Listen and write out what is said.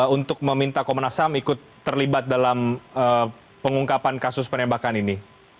untuk meminta komnas ham ikut terlibat dalam pengungkapan kasus penembakan ini